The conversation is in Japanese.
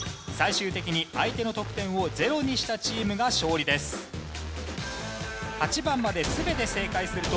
最終的に相手の得点をゼロにしたチームが勝利です。